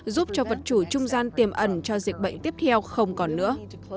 giúp cho vật chủ trung gian tiềm ẩn cho dịch bệnh tiếp theo không còn nữa